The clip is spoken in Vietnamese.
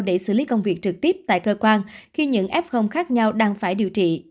để xử lý công việc trực tiếp tại cơ quan khi những f khác nhau đang phải điều trị